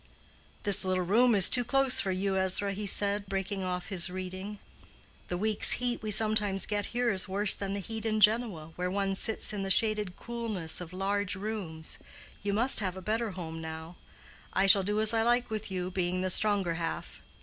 "This little room is too close for you, Ezra," he said, breaking off his reading. "The week's heat we sometimes get here is worse than the heat in Genoa, where one sits in the shaded coolness of large rooms. You must have a better home now. I shall do as I like with you, being the stronger half."